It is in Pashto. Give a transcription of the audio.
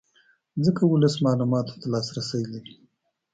ځکه ولس معلوماتو ته لاسرې لري